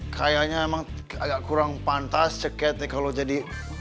kayaknya memang agak kurang pantas ceket kalau jadi